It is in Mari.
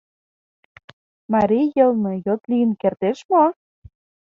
Марий йылме йот лийын кертеш мо?